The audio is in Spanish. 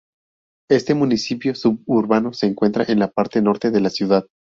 Este municipio suburbano se encuentra en la parte norte de la ciudad.